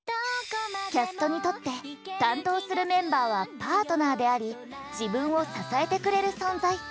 キャストにとって担当するメンバーはパートナーであり自分を支えてくれる存在。